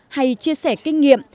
hay chia sẻ kinh nghiệm